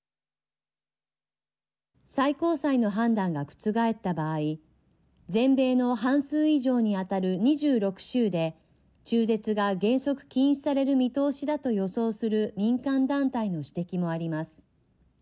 最高裁の判断が覆った場合全米の半数以上に当たる２６州で中絶が原則禁止される見通しだと予想する民間団体の指摘もあります。